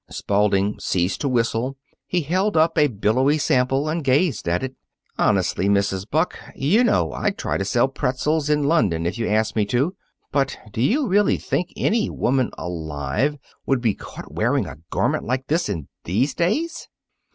Spalding ceased to whistle. He held up a billowy sample and gazed at it. "Honestly, Mrs. Buck, you know I'd try to sell pretzels in London if you asked me to. But do you really think any woman alive would be caught wearing a garment like this in these days?"